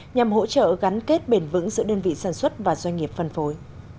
nhằm hỗ trợ gắn kết bền vững giữa đơn vị sản xuất và doanh nghiệp phân phối